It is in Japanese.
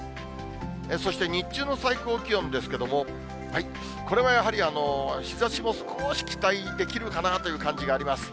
そして日中の最高気温ですけれども、これもやはり日ざしも少し期待できるかなという感じがあります。